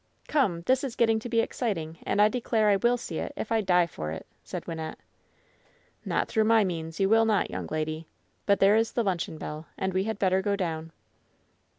"Come 1 This is getting to be exciting, and I declare I will see it, if I die for it," said Wynnette. "Not through my means, you will not, young lady. But there is the luncheon bell, and we had better go down."